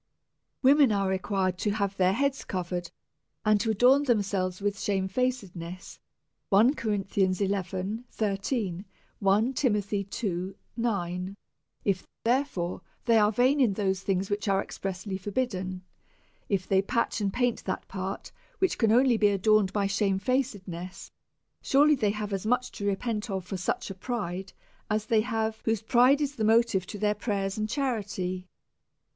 Women are required to have their heads covered, and to adorn themselves with shamefacedness ; if, therefore^ they are vain in those things which are expressly forbidden, if they 1 Cor. xi. 13. patch and paint that part which can only be adorned by shamefacedness, 1 Tim. ii, 9. surely they have as much to repent of for such a pride, as they have whose pride is the mo tive to their prayers and charity.